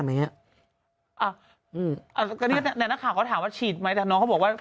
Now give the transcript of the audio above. ไหมเนี้ยอ่ะอาจารย์ขาวเขาถามว่าฉีดไหมแต่น้องก็บอกว่า